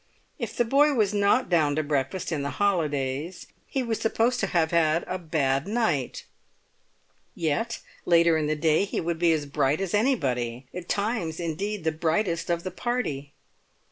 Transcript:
If the boy was not down to breakfast in the holidays, he was supposed to have had a bad night; yet later in the day he would be as bright as anybody, at times indeed the brightest of the party.